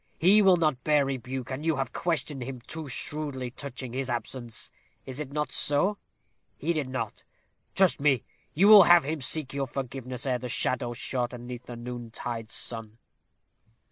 He will not bear rebuke, and you have questioned him too shrewdly touching his absence. Is it not so? Heed it not. Trust me, you will have him seek your forgiveness ere the shadows shorten 'neath the noontide sun."